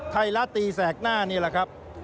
ไทยรัฐตีแสกหน้านี่แหละครับ